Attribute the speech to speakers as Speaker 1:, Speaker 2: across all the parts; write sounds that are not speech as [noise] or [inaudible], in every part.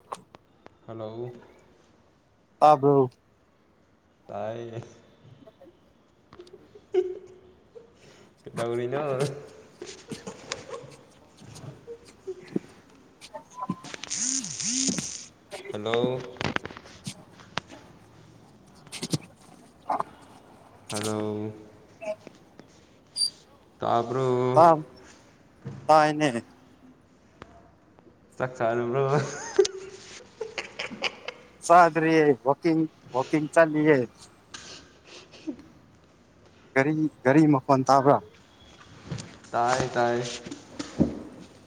Speaker 1: ꯍꯦ
Speaker 2: ꯍꯂꯣ
Speaker 1: ꯇꯥꯕ꯭ꯔꯣ
Speaker 2: ꯇꯥꯏ
Speaker 1: ꯍ
Speaker 2: ꯀꯩꯗꯧꯔꯤꯅꯣ
Speaker 1: ꯑ
Speaker 2: ꯍꯂꯣ
Speaker 1: ꯒ
Speaker 2: ꯍꯂꯣ ꯇꯥ
Speaker 1: ꯇ ꯇꯥꯏꯅꯦ
Speaker 2: ꯆꯥꯛ ꯆꯔꯥꯕꯣ
Speaker 1: ꯆꯗꯔꯤꯌꯦ ꯋꯥꯀꯤꯡ ꯋꯥꯀꯤꯡ ꯆꯥꯂꯤꯌꯦ ꯒꯥꯔꯤ ꯒꯥꯔꯤ ꯃꯈꯣꯟ ꯇꯥꯕ꯭ꯔꯥ
Speaker 2: ꯇꯥꯏꯌꯦ ꯇꯥꯏꯌꯦ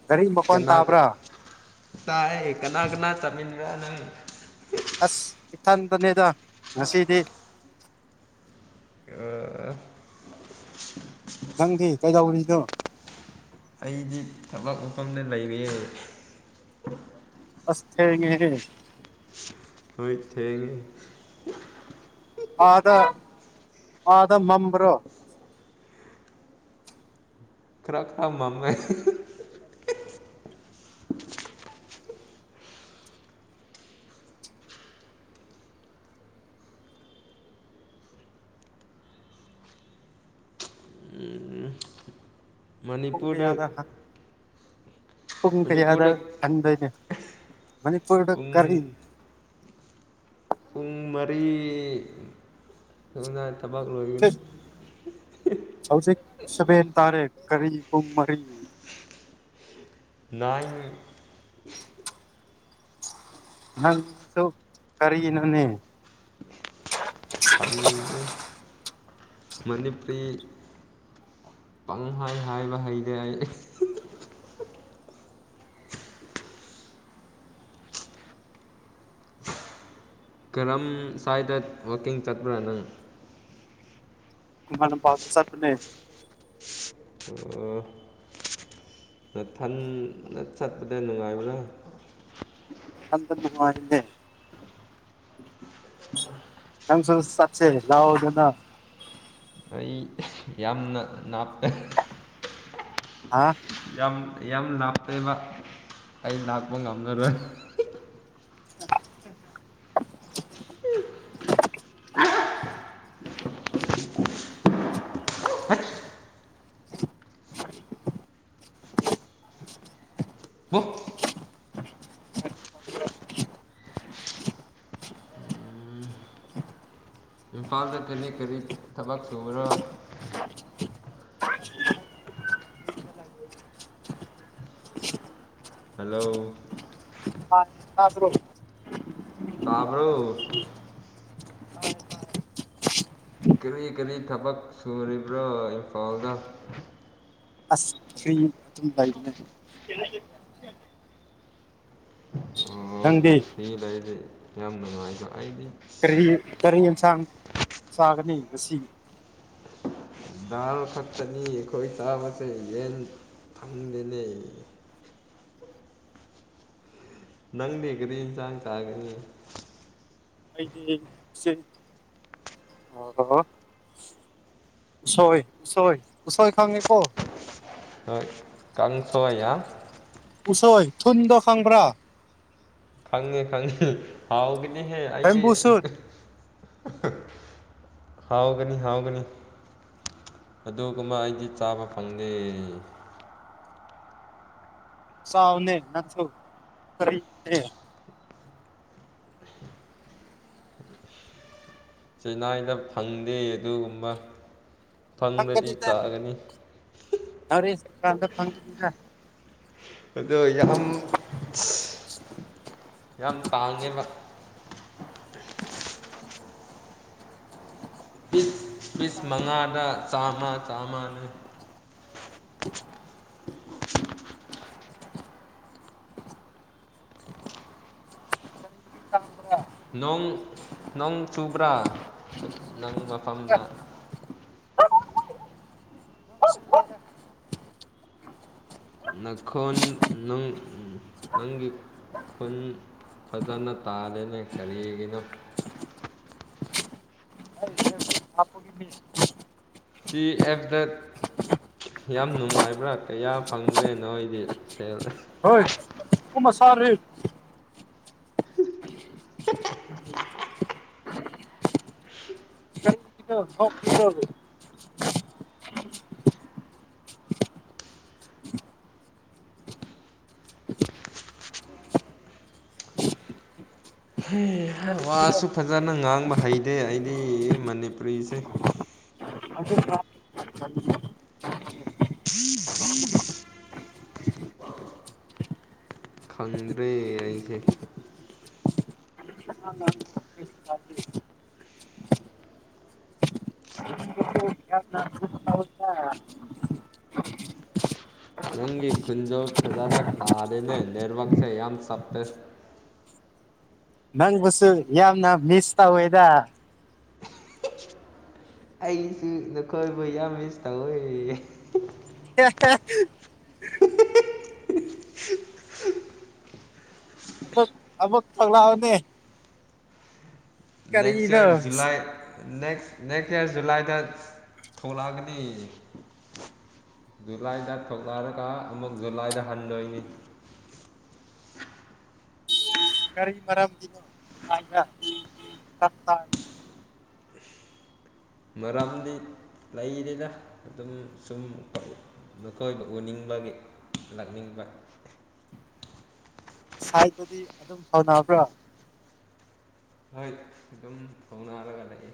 Speaker 1: ꯒꯥꯔꯤ ꯃꯈꯣꯟ ꯇꯥꯕ꯭ꯔꯥ
Speaker 2: ꯇꯥꯏ ꯀꯅꯥ ꯀꯅꯥ ꯇꯥꯃꯤꯟꯅꯕꯔ ꯅꯪ
Speaker 1: ꯑꯁ ꯏꯊꯟꯗꯅꯦꯗꯥ ꯉꯁꯤꯗꯤ ꯅꯪꯗꯤ ꯀꯩꯗꯧꯔꯤꯅꯣ
Speaker 2: ꯑꯩꯗꯤ ꯊꯕꯛ ꯃꯐꯝꯗ ꯂꯩꯔꯤꯌꯦ
Speaker 1: ꯑꯁ ꯊꯦꯡꯉ‌ꯦꯍꯦ
Speaker 2: ꯍꯣꯏ ꯊꯦꯡꯉꯦ
Speaker 1: ꯑꯥꯗ ꯑꯥꯗ ꯃꯥꯝꯕꯔꯣ [inaudible]
Speaker 2: ꯈꯔ ꯈꯔ ꯃꯥꯝꯃꯦ
Speaker 1: ꯄꯨꯡ
Speaker 2: ꯃꯅꯤꯄꯨꯔꯗ
Speaker 1: ꯀꯌꯥꯗ ꯍꯟ ꯄꯨꯡ ꯀꯌꯥꯗꯥ
Speaker 2: ꯃꯅꯤꯄꯨꯔꯗ
Speaker 1: ꯍꯟꯗꯩꯅꯣ ꯃꯅꯤꯄꯨꯔꯗ
Speaker 2: ꯄꯨꯡ
Speaker 1: ꯀꯔꯤ
Speaker 2: ꯄꯨꯡ ꯃꯔꯤ ꯊꯕꯛ ꯂꯣꯏ
Speaker 1: ꯁꯕꯦꯟ ꯇꯥꯔꯦ ꯀꯔꯤ ꯄꯨꯡ ꯃꯔꯤ
Speaker 2: ꯅꯥꯏꯟ
Speaker 1: ꯅꯪꯁꯨ ꯀꯔꯤ ꯅꯣꯅꯦ
Speaker 2: ꯈ ꯃꯅꯤꯄꯨꯔꯤ ꯄꯪ ꯍꯥꯏ ꯍꯥꯏꯕ ꯍꯩꯔꯦ ꯑꯩ ꯀꯔꯝ ꯁ꯭ꯋꯥꯏꯗ ꯋꯥꯛꯀꯤꯡ ꯆꯠꯄ꯭ꯔꯥ ꯅꯪ
Speaker 1: ꯀꯅ ꯄꯥꯗꯦ ꯆ ꯄꯨꯅꯦ
Speaker 2: ꯑꯣ ꯃꯊꯟꯗ ꯆꯠꯄꯗꯣ ꯅꯨꯡꯉꯥꯏꯕ꯭ꯔꯥ
Speaker 1: ꯏꯊꯟꯇꯥ ꯅꯨꯡꯉꯥꯏꯇꯦ ꯅꯥꯪꯁꯨ ꯆꯠꯁꯦ ꯂꯥꯛꯑꯣ ꯗꯅꯥ
Speaker 2: ꯑꯩ ꯌꯥꯝꯅ ꯅꯥ
Speaker 1: ꯍꯥ
Speaker 2: ꯌꯥꯝ ꯌꯥꯝ ꯂꯞꯄꯦꯕꯥ ꯑꯩ ꯂꯥꯛꯄ ꯉꯝꯃꯔꯣꯏ
Speaker 1: [unintelligible]
Speaker 2: ꯄꯣ ꯏꯝꯐꯥꯜꯗ ꯀꯔꯤ ꯀꯔꯤ ꯊꯕꯛ ꯁꯨꯕꯔꯥ ꯍꯜꯂꯣ
Speaker 1: ꯑꯥ ꯑꯗꯨ꯭ꯔꯣ
Speaker 2: ꯇꯕꯔ ꯀꯔꯤ ꯀꯔꯤ ꯊꯕꯛ ꯁꯨꯔꯤꯕ꯭ꯔꯣ ꯏꯝꯐꯥꯜꯗ
Speaker 1: ꯑꯁ ꯐ ꯑꯗꯨꯝ ꯂꯏꯅꯦ ꯅꯪꯗꯤ
Speaker 2: ꯁꯤ ꯂꯩꯔꯤꯁꯦ ꯌꯥꯝ ꯅꯨꯡꯉꯥꯏꯖ
Speaker 1: ꯀꯔꯤ ꯇꯔꯤ ꯏꯟꯁꯥꯡ ꯁꯥꯒꯅꯤ ꯂꯁꯤ
Speaker 2: ꯗꯥꯔ ꯈꯛꯇꯅꯤ ꯑꯩꯈꯣꯏ ꯆꯥꯕꯁꯦ ꯌꯦꯟ ꯐꯥꯡꯃꯦ ꯂꯩ ꯅꯪꯂꯤ ꯀꯔꯤꯟ ꯆꯥꯡ ꯀꯥꯒꯅꯤ
Speaker 1: ꯑꯩꯗꯤ ꯑ ꯍ ꯎꯁꯣꯏ ꯎꯁꯣꯏ ꯎꯁꯣꯏ ꯈꯪꯉꯦ ꯏ ꯄꯣ
Speaker 2: ꯍꯣꯏ ꯀꯥꯡ ꯁꯍꯌꯥꯝ
Speaker 1: ꯎꯁꯣꯏ ꯊꯨꯟꯗ ꯈꯪꯕ꯭ꯔꯥ
Speaker 2: ꯈꯪꯉꯦ ꯈꯪꯉꯦ ꯍꯥꯎꯒꯅꯤꯍꯦ ꯑꯩꯗꯤ
Speaker 1: ꯕꯦꯝꯕꯨ ꯁꯨꯠ
Speaker 2: ꯍꯥꯎꯒꯅꯤ ꯍꯥꯎꯒꯅꯤ ꯑꯗꯨꯒꯨꯝꯕ ꯑꯩꯗꯤ ꯆꯥꯕ ꯐꯪꯗꯦ
Speaker 1: ꯁꯥꯎꯅꯦ ꯅꯟꯁꯨꯅꯦ
Speaker 2: ꯆꯦꯟꯅꯥꯏꯗ ꯐꯪꯗꯦ ꯑꯗꯨꯒꯨꯝꯕ ꯐꯪꯂꯗꯤ ꯆꯥꯒꯅꯤ
Speaker 1: ꯐꯪꯗꯗꯔꯤꯀꯥꯟꯗ ꯐꯪꯒꯗ
Speaker 2: ꯑꯗꯣ ꯌꯥꯝ ꯌꯥꯝ ꯇꯥꯡꯉꯦꯕ ꯄꯤꯁ ꯄꯤꯁ ꯃꯉꯥꯗ ꯆꯥꯝꯃ ꯆꯥꯝꯃꯅꯦ
Speaker 1: ꯊꯉ
Speaker 2: ꯅꯣꯡ ꯅꯣꯡ ꯆꯨꯕ꯭ꯔꯥ ꯅꯪ ꯃꯐꯝꯗ ꯅꯈꯣꯟ ꯅꯪꯒꯤ ꯈꯨꯟ ꯐꯖꯅ ꯇꯥꯜꯂꯤꯦꯅꯦ ꯀꯔꯤꯒꯤꯅꯣ
Speaker 1: [unintelligible] [unintelligible]
Speaker 2: ꯁꯤ ꯑꯦꯐꯗ ꯌꯥꯝ ꯅꯨꯡꯉꯥꯏꯕ꯭ꯔꯥ ꯀꯌꯥ ꯐꯪꯗ꯭ꯔꯦ ꯅꯣꯏꯗꯤ ꯁꯦꯜ
Speaker 1: ꯍꯣꯏ ꯎꯃ ꯁꯔ ꯍ ꯀꯗ ꯀꯔꯤꯒꯤꯅꯣ
Speaker 2: ꯋꯥꯁꯨ ꯐꯖꯅ ꯉꯥꯡꯕ ꯍꯩꯇꯦ ꯑꯩꯗꯤ ꯃꯅꯤꯄꯨꯔꯤꯁꯦ
Speaker 1: ꯑꯗꯨꯒ
Speaker 2: ꯈꯪꯗ꯭ꯔꯦ ꯑꯩꯁꯦ ꯅꯪꯒꯤ ꯈꯨꯟꯖꯣ ꯐꯖꯅ ꯇꯥꯔꯤꯦꯅꯦ ꯅꯦꯠꯋꯥꯛꯁꯦ ꯌꯥꯝ ꯁꯞꯇꯦ
Speaker 1: ꯅꯪꯕꯨꯁꯨ ꯌꯥꯝꯅ ꯃꯤꯁ ꯇ ꯍꯣꯏꯗ
Speaker 2: ꯑꯩꯁꯨ ꯅꯈꯣꯏꯕꯨ ꯌꯥꯝ ꯃꯤꯁ ꯇꯧꯋ
Speaker 1: [unintelligible] ꯑꯕꯛ ꯐꯒꯂꯥꯅꯦ
Speaker 2: next year July next next year ꯖꯨꯂꯥꯏꯗ ꯊꯣꯛꯂꯛꯑꯒꯅꯤ ꯖꯨꯂꯥꯏꯗ ꯊꯣꯛꯂꯔꯒ ꯑꯃꯨꯛ ꯖꯨꯂꯥꯏꯗ ꯍꯟꯗꯣꯏꯅꯤ
Speaker 1: ꯀꯔꯤ ꯃꯔꯝꯒꯤꯅꯣ
Speaker 2: ꯃꯔꯥꯗꯤꯗꯤ ꯂꯩꯗꯅ ꯑꯗꯨꯝ ꯁꯨꯝ ꯃꯈꯣꯏꯗ ꯎꯅꯤꯡꯕꯒꯤ ꯅꯛꯅꯤꯡꯕ
Speaker 1: ꯁꯥꯏꯠꯇꯗꯤ ꯑꯗꯨꯝ ꯐꯅꯕ꯭ꯔꯥ
Speaker 2: ꯍꯣꯏ ꯑꯗꯨꯝ ꯍꯧꯅꯜꯂꯒ ꯂꯩꯏ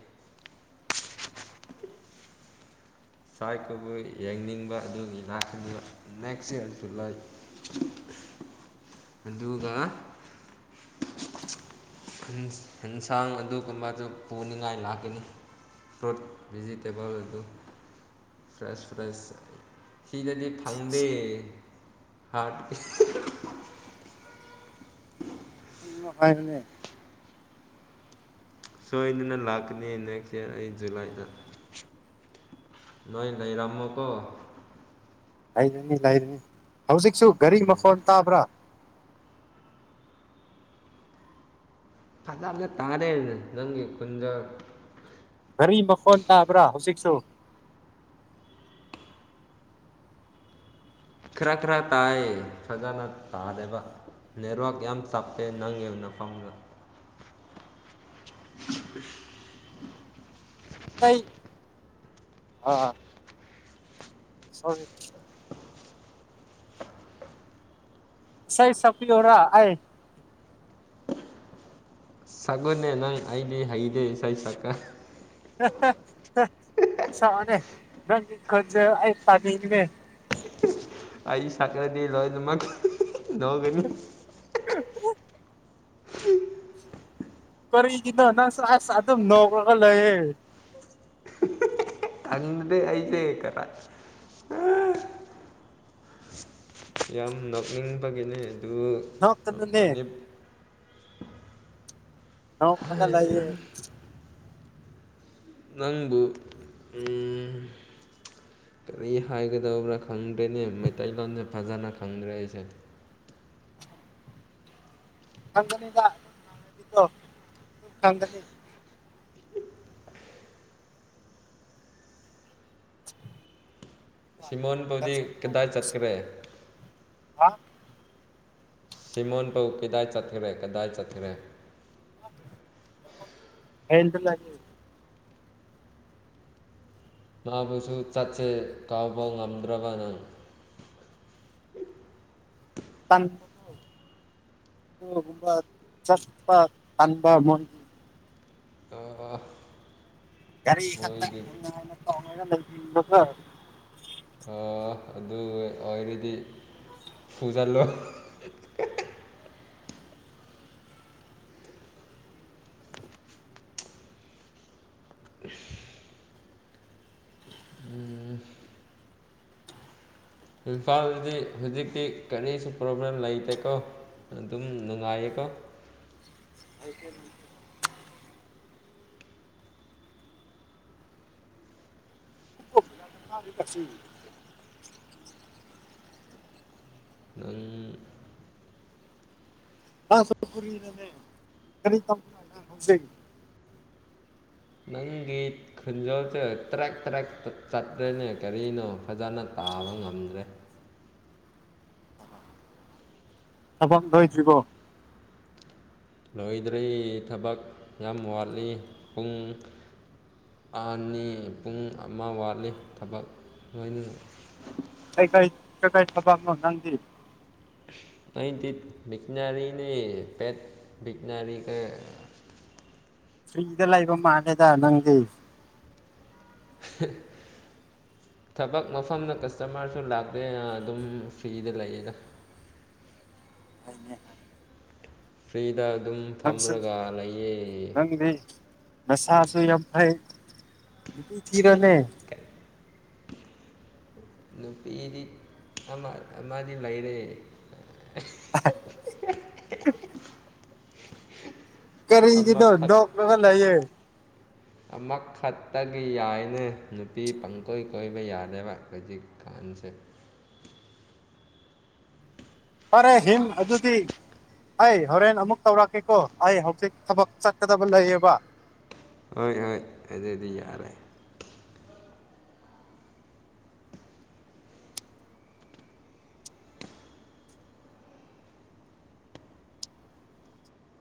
Speaker 1: [unintelligible]
Speaker 2: ꯁꯥꯏ ꯀꯕꯨ ꯌꯦꯡꯅꯤꯡꯕ ꯑꯗꯨꯒꯤꯅꯥꯀꯅꯤ ꯅꯦꯛꯁ ꯏꯌꯥꯔꯁꯨ ꯂꯩ
Speaker 1: [unintelligible]
Speaker 2: ꯑꯗꯨꯒ ꯑꯦꯟꯁꯥꯡ ꯑꯗꯨꯒꯨꯝꯕꯁꯨ ꯄꯨꯅꯤꯡꯉꯥꯏ ꯂꯥꯛꯀꯅꯤ ꯐ꯭ꯔꯣ ꯚꯖꯤꯇꯦꯕꯜ ꯑꯗꯨ ꯑꯗꯨꯗꯨ ꯐ꯭ꯔꯦꯁ ꯐ꯭ꯔꯥꯏꯁ ꯁꯤꯗꯗꯤ ꯐꯪꯗꯦ ꯍꯥꯔꯠ [unintelligible]
Speaker 1: ꯎ ꯍꯥꯏꯅꯦ
Speaker 2: ꯁꯣꯏꯗꯅ ꯂꯥꯛꯀꯅꯤ ꯅꯦꯛꯁ ꯑꯩ ꯖꯨꯂꯥꯏꯗ ꯅꯣꯏ ꯅꯣꯏ ꯔꯝꯃꯣ ꯀꯣ
Speaker 1: ꯂꯩꯔꯅꯤ ꯂꯩꯔꯅꯤ ꯍꯧꯖꯤꯛꯁꯨ ꯒꯥꯔꯤ ꯃꯈꯣꯟ ꯇꯥꯕ꯭ꯔꯥ
Speaker 2: ꯑꯗꯗ ꯇꯥꯔ ꯍꯥꯏꯅꯤ ꯈꯨꯟꯖ
Speaker 1: ꯒꯥꯔꯤ ꯃꯈꯣꯟ ꯇꯥꯕ꯭ꯔꯥ ꯍꯧꯖꯤꯛꯁꯨ
Speaker 2: ꯈꯔ ꯈꯔ ꯇꯥꯏ ꯐꯖꯅ ꯇꯥꯗꯦꯕ ꯅꯦꯠꯋꯥꯛ ꯌꯥꯝ ꯆꯞꯇꯦ ꯅꯪꯒꯤꯅ ꯐꯥꯎꯒ
Speaker 1: ꯎ
Speaker 2: [unintelligible]
Speaker 1: ꯃꯤꯇ ꯑ ꯁꯔꯤ ꯁꯩ ꯁꯐꯤ ꯑꯣꯏꯔ ꯍꯥꯏ
Speaker 2: ꯁꯛꯒꯣꯅꯦ ꯅꯪ ꯑꯩꯗꯤ ꯍꯩꯗꯦ ꯏꯁꯩ ꯁꯛꯀ
Speaker 1: ꯑ ꯍ ꯁꯅꯦ ꯈꯖ ꯄ
Speaker 2: ꯑꯏ ꯁꯥꯀꯔꯗꯤ ꯂꯣꯏ ꯃ ꯅꯧ ꯀꯅꯤ
Speaker 1: ꯀꯔꯤ ꯀꯗꯣ ꯅ ꯁ ꯁꯥꯗ ꯅ ꯀꯒ ꯂꯩꯑꯦ
Speaker 2: ꯇꯪ ꯑꯖ ꯀꯦ ꯀꯔ ꯌꯥꯝ ꯅꯣꯛꯅꯤꯡꯕꯒꯤꯅꯦ ꯑꯗꯨ
Speaker 1: ꯅꯣꯛꯀꯅꯨꯅꯦ
Speaker 2: ꯃꯅꯤꯞ
Speaker 1: ꯅ ꯅꯒꯂꯦ
Speaker 2: ꯅꯪꯕꯨ ꯀꯔꯤ ꯍꯥꯏꯒꯗꯧꯕ꯭ꯔꯥ ꯈꯪꯗ꯭ꯔꯦꯅꯦ ꯃꯩꯇꯩꯂꯣꯟꯁꯦ ꯐꯖꯅ ꯈꯪꯗ꯭ꯔꯦ ꯑꯩꯁꯦ
Speaker 1: ꯆꯥꯟꯗꯅꯤꯗꯗꯣ ꯆꯥꯟꯗꯅꯤ
Speaker 2: ꯁꯤꯃꯣꯟꯕꯨꯗꯤ ꯀꯗꯥꯏ ꯆꯠꯈ꯭ꯔꯦ
Speaker 1: [inaudible]
Speaker 2: ꯁꯤꯃꯣꯟꯄꯧ ꯀꯗꯥꯏ ꯆꯠꯈ꯭ꯔꯦ ꯀꯗꯥꯏ ꯆꯠꯈ꯭ꯔꯦ
Speaker 1: ꯍ
Speaker 2: ꯃꯥꯕꯨꯁꯨ ꯆꯠꯁꯦ ꯀꯥꯎꯕ ꯉꯝꯗ꯭ꯔꯕ ꯅꯪ
Speaker 1: [inaudible] ꯄ ꯆꯠꯄ ꯀꯟꯕ ꯃ ꯌꯥꯔꯤ ꯈ
Speaker 2: ꯃꯣꯏꯗꯤ
Speaker 1: ꯂꯩ ꯂ
Speaker 2: ꯑꯗꯨ ꯐꯨꯖꯥ ꯂꯣ ꯏꯝꯐꯥꯜꯗꯤ ꯍꯧꯖꯤꯛꯇꯤ ꯀꯔꯤꯁꯨ ꯄ꯭ꯔꯣꯕ꯭ꯂꯦꯝ ꯂꯩꯇꯦꯀꯣ ꯑꯗꯨꯝ ꯅꯉꯑꯀꯣ
Speaker 1: ꯁꯥꯏꯀꯦꯜ ꯀꯁꯤ
Speaker 2: ꯅꯪ
Speaker 1: ꯑ ꯁꯄꯔꯤꯅꯦ ꯀ ꯍꯧ
Speaker 2: ꯈꯨꯟꯖꯣꯜꯁꯦ ꯇ꯭ꯔꯦꯛ ꯇ꯭ꯔꯦꯛ ꯆꯠꯇ꯭ꯔꯦꯅꯦ ꯀꯔꯤꯅꯣ ꯐꯖꯅ ꯇꯥꯕ ꯉꯝꯗ꯭ꯔꯦ
Speaker 1: ꯑꯕꯗ ꯍ ꯊꯔꯤꯕꯣ
Speaker 2: ꯂꯣꯏꯗ꯭ꯔꯦ ꯊꯕꯛ ꯌꯥꯝ ꯋꯥꯠꯂꯤ ꯄꯨꯡ ꯑꯅꯤ ꯄꯨꯡ ꯑꯃ ꯋꯥꯠꯂꯤ ꯊꯕꯛ ꯂꯣꯏꯅ
Speaker 1: ꯀꯩꯀꯥꯏ ꯀꯀꯥꯏ ꯊꯕꯥꯅ ꯅ
Speaker 2: ꯑ ꯊ ꯛꯅꯔꯤꯅꯤ ꯄꯦꯠ ꯖꯅꯔꯤ ꯀ
Speaker 1: ꯐ꯭ꯔꯤꯗ ꯂꯩꯕ ꯃꯥꯜꯂꯦꯗ ꯅꯪꯗꯤ
Speaker 2: [inaudible] ꯊꯕꯛ ꯃꯐꯝꯗ ꯀꯁꯇꯃꯔꯁꯨ ꯂꯥꯛꯇꯦ ꯑꯗꯨꯝ ꯐ꯭ꯔꯤꯗ ꯂꯩꯌꯦꯅ
Speaker 1: ꯍꯅꯦ ꯍꯥꯏ
Speaker 2: ꯐ꯭ꯔꯤꯗ ꯑꯗꯨꯝ ꯐꯝꯔꯒ ꯂꯩꯌꯦ
Speaker 1: ꯅꯪꯗꯤ ꯅꯁꯥꯁꯨ ꯌꯥꯝ ꯐꯩ ꯊꯤꯔꯅꯦ
Speaker 2: ꯅꯨꯄꯤꯗꯤ ꯑꯃꯗꯤ ꯂꯩꯔꯦ
Speaker 1: [inaudible] ꯀꯔꯤꯗꯤꯗ
Speaker 2: ꯑꯃꯈꯛ
Speaker 1: ꯗꯣꯛꯒꯂꯦ
Speaker 2: ꯑꯃꯈꯛꯇꯒꯤ ꯌꯥꯏꯅ ꯅꯨꯄꯤ ꯄꯪꯀꯣꯏ ꯀꯣꯏꯕ ꯌꯥꯗꯕ ꯍꯧꯖꯤꯛ ꯀꯥꯟ ꯄꯨꯁꯦ
Speaker 1: ꯑꯔꯦ ꯍꯤꯝ ꯑꯗꯨꯗꯤ ꯑꯩ ꯍꯣꯔꯦꯟ ꯑꯃꯨꯛ ꯇꯧꯔꯛꯀꯦꯀꯣ ꯑꯩ ꯍꯧꯖꯤꯛ ꯊꯕꯛ ꯆꯠꯀꯗꯕ ꯂꯩꯌꯦꯕ
Speaker 2: ꯍꯣꯏ ꯍꯣꯏ ꯑꯗꯨꯗꯤ ꯌꯥꯔꯦ